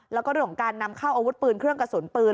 แล้วก็เรื่องของการนำเข้าอาวุธปืนเครื่องกระสุนปืน